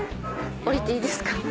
降りていいですか？